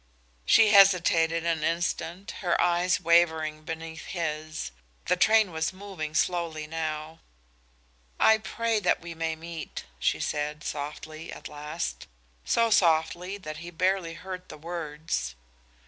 She hesitated an instant, her eyes wavering beneath his. The train was moving slowly now. "I pray that we may meet," she said, softly, at last, so softly that he barely heard the words.